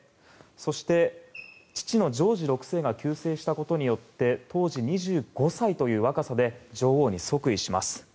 そして、父のジョージ６世が急逝したことによって当時２５歳という若さで女王に即位します。